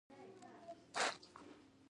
آیا دوی ژبه او کار نه ور زده کوي؟